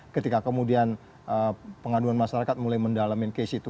ketika kemudian pengaduan masyarakat mulai mendalamin case itu